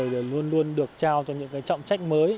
để luôn luôn được trao cho những cái trọng trách mới